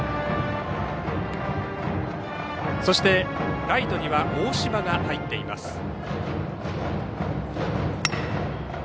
そして、ライトには大島が入っています。